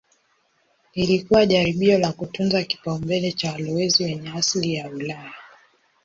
Lilikuwa jaribio la kutunza kipaumbele cha walowezi wenye asili ya Ulaya.